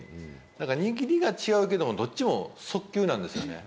だから握りが違うけども、どっちも速球なんですよね。